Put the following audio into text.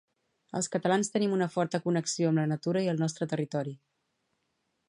Els catalans tenim una forta connexió amb la natura i el nostre territori.